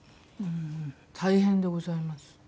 大変でございます。